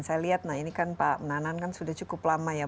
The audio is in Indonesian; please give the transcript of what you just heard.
saya lihat nah ini kan pak nanang kan sudah cukup lama ya berada di sini